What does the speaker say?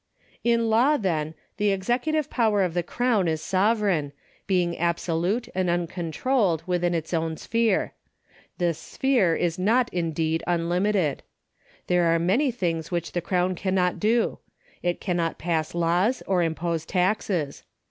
In law, then, the executive power of the Crown is sovereign, being absolute and uncontrolled within its own sphere. This sphere is not indeed vmlimited. There are many things which the Crown cannot do ; it cannot pass laws or impose taxes.